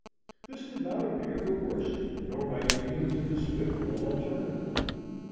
This did not appear the worst, nor by any means a despicable alternative.